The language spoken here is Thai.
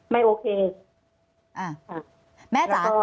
ไม่เหมือนกับ